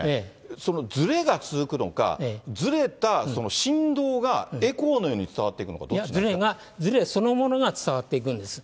そのずれが続くのか、ずれた振動がエコーのように伝わっていくのか、どっちなんですかずれそのものが伝わっていくんです。